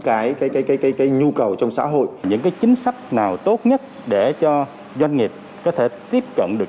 cái nhu cầu trong xã hội những cái chính sách nào tốt nhất để cho doanh nghiệp có thể tiếp cận được